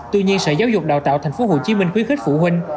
tuy nhiên sở giáo dục đào tạo tp hcm khuyến khích phụ huynh